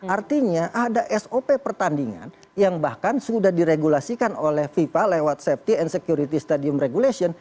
artinya ada sop pertandingan yang bahkan sudah diregulasikan oleh fifa lewat safety and security stadium regulation